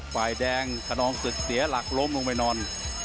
ฝ่ายแดงขนองศึกเสียหลักล้มลงไปนอน